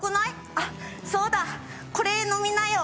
あっそうだこれ飲みなよ